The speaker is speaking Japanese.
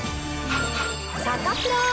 サタプラ。